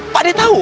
pak de tahu